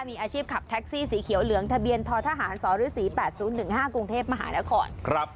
มีอาชีพขับแท็กซี่สีเขียวเหลืองทะเบียนททหารสฤษี๘๐๑๕กรุงเทพมหานคร